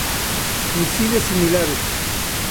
Misiles similares